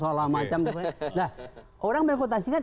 nah orang mengakutasikan